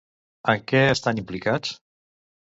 En què es estan implicats?